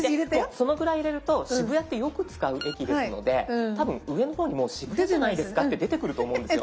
そのぐらい入れると渋谷ってよく使う駅ですので多分上の方にもう渋谷じゃないですかって出てくると思うんですよ。